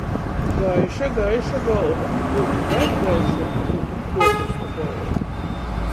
Gaiša, gaiša golva! Byutu vēļ gaišuoka, byutu kuopustu golva!